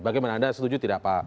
bagaimana anda setuju tidak pak